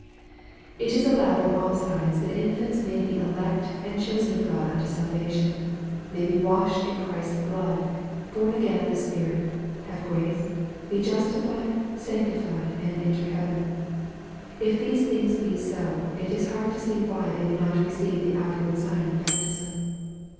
It is allowed on all sides that infants may be elect and chosen of God unto salvation may be washed in Christ'e blood, born again of the Spirit, have grace, be justified, sanctified, and enter heaven. If these things be so, it is hard to see why they may not receive the outward sign of baptism.